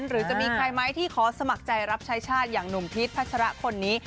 หรือจะมีใครไหมที่ขอสมัครใจรับใช้ชาติอย่างหนุ่มพีชพัชระคนนี้